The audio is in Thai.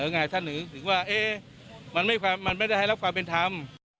ง่ายถ้าหนึ่งถึงว่ามันไม่ได้ให้รับความเป็นธรรม